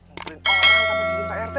nguburin orang yang tak bersikin prt